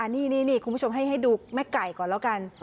นี่คุณผู้ชมให้ดูแม่ไก่ก่อนแล้วกัน